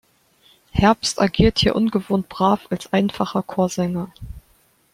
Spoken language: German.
Herbst agiert hier ungewohnt brav als einfacher Chorsänger.